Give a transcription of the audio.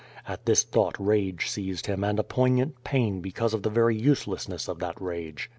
At this thought rage seized him and a poignant pain because of the very uselessness of that rage.